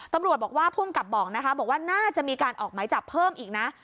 ตำรวจบอกว่าภูมิกับบอกนะคะบอกว่าน่าจะมีการออกหมายจับเพิ่มอีกนะ